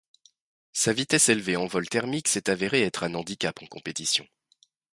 Sa vitesse élevée en vol thermique s'est avérée être un handicap en compétition.